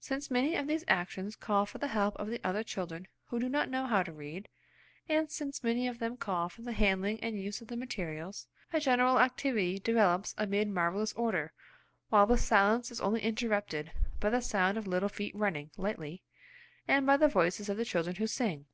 Since many of these actions call for the help of the other children who do not know how to read, and since many of them call for the handling and use of the materials, a general activity develops amid marvellous order, while the silence is only interrupted by the sound of little feet running lightly, and by the voices of the children who sing.